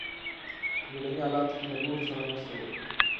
په بیړني حالاتو کې له نورو سره مرسته وکړئ.